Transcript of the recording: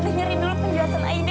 dengerin dulu penjelasan ida